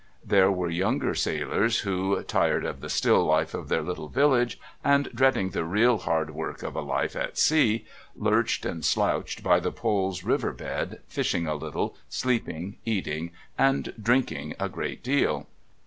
There were younger sailors who, tired of the still life of their little villages and dreading the real hard work of a life at sea, lurched and slouched by the Pol's river bed, fishing a little, sleeping, eating and drinking a great deal.